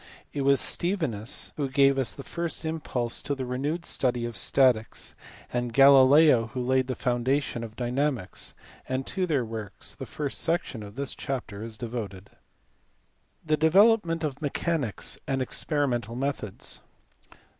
It was Stevinus who gave the first impulse to the renewed study of statics, and Galileo who laid the foundation of dynamics ; and to their works the first section of this chapter is devoted. The development of mechanics and experimental methods.